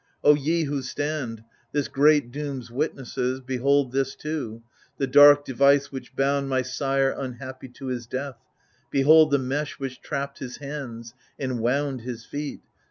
O ye who stand, this great doom's witnesses. Behold this too, the dark device which bound My sire unhappy to his death, — ^behold The mesh which trapped his hands, enwound his feet